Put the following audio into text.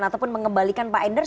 ataupun mengembalikan pak endar